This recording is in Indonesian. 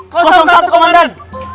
kosong satu komandan